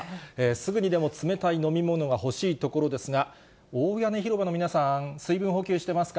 すぐにでも冷たい飲み物が欲しいところですが、大屋根広場の皆さん、水分補給してますか？